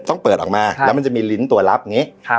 ต้องเปิดออกมาแล้วมันจะมีลิ้นตัวลับอย่างนี้